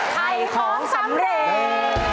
ไถ่ของสำเร็จ